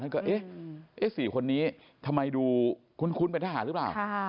ก็เอ๊ะ๔คนนี้ทำไมดูคุ้นเป็นทหารหรือเปล่า